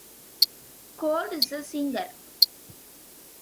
Cole is a singer.